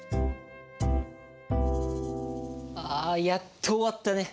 あやっと終わったね。